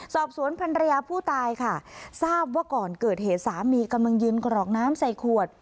สอบสวนพันรยาผู้ตายค่ะทราบว่าก่อนเกิดเหตุสามีกำลังยืนกรอกน้ำใส่ขวด